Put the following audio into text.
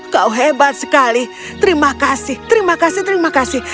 kau hebat sekali terima kasih terima kasih terima kasih